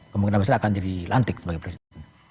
kemudian akan jadi lantik sebagai presiden